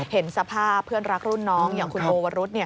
เห็นสภาพเพื่อนรักรุ่นน้องอย่างคุณโอวรุษ